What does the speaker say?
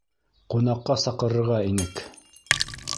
Ҡунаҡҡа саҡырырға инек.